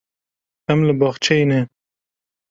Em li bexçeyê ne.